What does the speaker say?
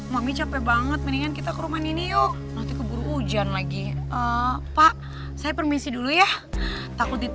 mami capek banget mendingan kita ke rumah nini yuk